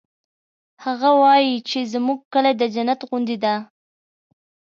هغه وایي چې زموږ کلی د جنت غوندی ده